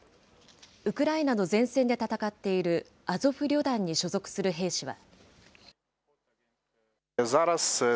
ウクライナの前線で戦っているアゾフ旅団に所属する兵士は。